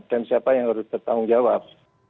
dan siapa yang harus bertanggung jawab